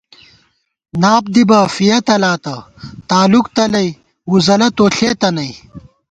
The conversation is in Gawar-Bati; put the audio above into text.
ناپ دِبہ ، فِیَہ تلاتہ، تالُوک تلَئ ، وُزَلہ تو ݪېتہ نئ